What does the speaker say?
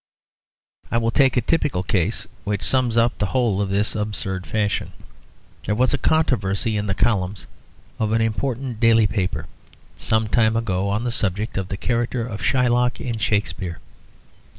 I will take a typical case, which sums up the whole of this absurd fashion. There was a controversy in the columns of an important daily paper, some time ago, on the subject of the character of Shylock in Shakespeare.